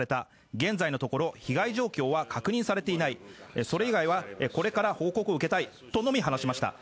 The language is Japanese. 現在のところ被害状況は確認されていないそれ以外はこれから報告を受けたいとのみ話しました。